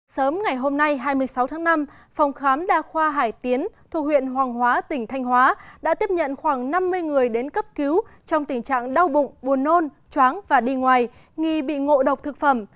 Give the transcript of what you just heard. sớm ngày hôm nay hai mươi sáu tháng năm phòng khám đa khoa hải tiến thuộc huyện hoàng hóa tỉnh thanh hóa đã tiếp nhận khoảng năm mươi người đến cấp cứu trong tình trạng đau bụng buồn nôn chóng và đi ngoài nghi bị ngộ độc thực phẩm